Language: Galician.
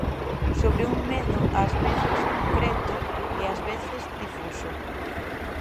Sobre un medo ás veces concreto e ás veces difuso.